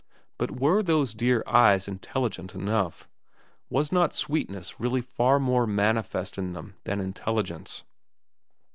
But were those dear eyes intelligent enough ? Was not sweetness really far more manifest in them than intelligence